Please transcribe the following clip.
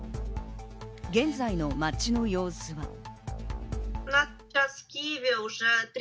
現在の街の様子は。